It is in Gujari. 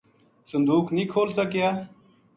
صندوق نیہہ کھول سکیا